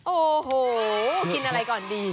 โอ้โหกินอะไรก่อนดี